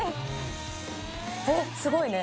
すごいね。